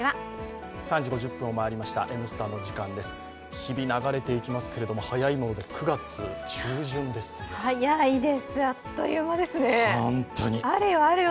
日々流れていきますけれども、早いもので９月中旬ですよ。